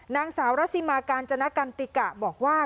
นางสาวรัสซิมากาญจนกันติกะบอกว่า